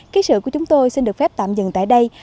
ký sự của chúng tôi xin được phép tạm dừng tại đây